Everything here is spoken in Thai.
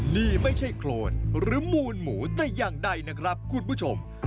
นี่ไม่ใช่โครนหรือมูลหมูแต่อย่างใดนะครับคุณผู้ชม